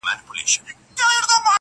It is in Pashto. دا د کهف د اصحابو د سپي خپل دی،